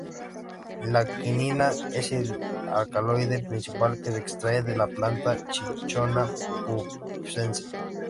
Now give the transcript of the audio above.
La quinina es el alcaloide principal que se extrae de la planta "Cinchona pubescens".